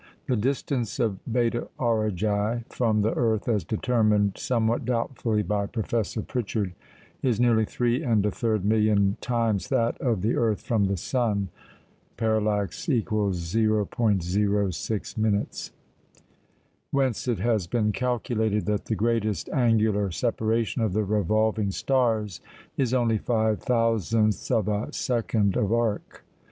The distance of Beta Aurigæ from the earth, as determined, somewhat doubtfully, by Professor Pritchard, is nearly three and a third million times that of the earth from the sun (parallax = 0·06"); whence it has been calculated that the greatest angular separation of the revolving stars is only five thousandths of a second of arc.